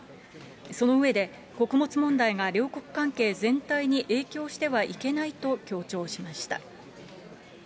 その上で、穀物問題が両国関係全体に影響してはいけないと強調しました。